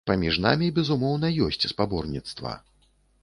Паміж намі, безумоўна, ёсць спаборніцтва.